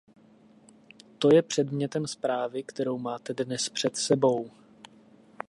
To je předmětem zprávy, kterou máte dnes před sebou.